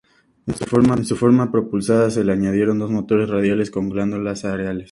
En su forma propulsada, se le añadieron dos motores radiales en góndolas alares.